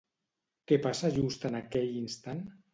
Què passa just en aquell instant?